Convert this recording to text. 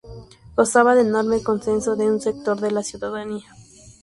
Gozaba de enorme consenso en un sector de la ciudadanía.